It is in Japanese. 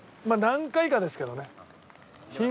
何回かですけどね。